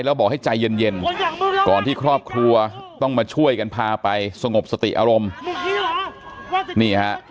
แล้วบอกให้ใจเย็นก่อนที่ครอบครัวต้องมาช่วยกันพาไปสงบสติอารมณ์นี่ฮะ